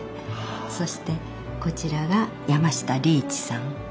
そしてこちらが山下利一さん。